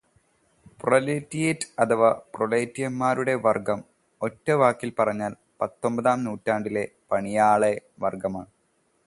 Proletariat, അഥവാ പ്രോലെറ്റേറിയന്മാരുടെ വർഗം, ഒറ്റ വാക്കിൽ പറഞ്ഞാൽ, പത്തൊമ്പതാം നൂറ്റാണ്ടിലെ പണിയാള വർഗമാണ്.